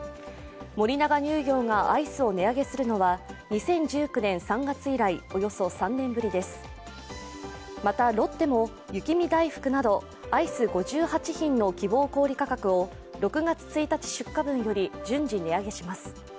森永乳業がアイスを値上げするのは２０１９年３月以来、およそ３年ぶりですまた、ロッテも雪見だいふくなどアイス５８品の希望小売価格を６月１日出荷分より順次値上げします。